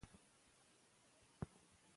ته ولې مڼه خورې؟